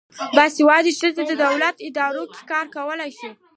باسواده ښځې په دولتي ادارو کې کار کولای شي.